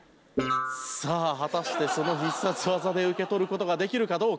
さあ果たしてその必殺技で受け取る事ができるかどうか？